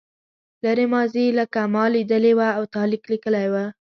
لرې ماضي لکه ما لیدلې وه او تا لیک لیکلی و.